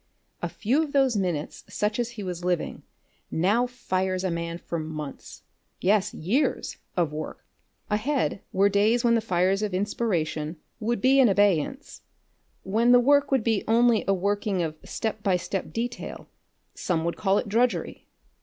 A few of those minutes such as he was living now fires a man for months yes, years, of work. Ahead were days when the fires of inspiration would be in abeyance, when the work would be only a working of step by step detail, some would call it drudgery.